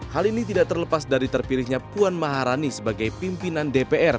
hal ini tidak terlepas dari terpilihnya puan maharani sebagai pimpinan dpr